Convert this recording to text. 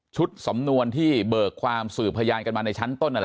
ชุดสำนวนที่เบิกความสื่อพยานกันมาในชั้นต้น